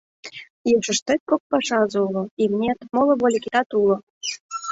Ешыштет кок пашазе уло, имнет, моло вольыкетат уло.